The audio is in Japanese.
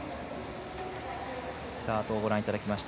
スタートをご覧いただきました。